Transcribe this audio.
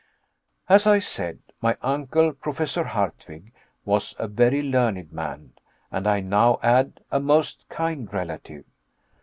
As I said, my uncle, Professor Hardwigg, was a very learned man; and I now add a most kind relative.